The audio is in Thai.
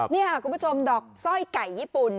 นี่ค่ะคุณผู้ชมดอกสร้อยไก่ญี่ปุ่น